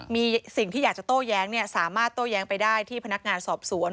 มีสิ่งที่อยากจะโต้แย้งสามารถโต้แย้งไปได้ที่พนักงานสอบสวน